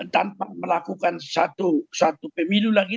tanpa melakukan satu pemilu lagi